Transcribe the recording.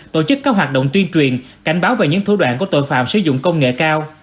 tổ chức các hoạt động tuyên truyền cảnh báo về những thủ đoạn của tội phạm sử dụng công nghệ cao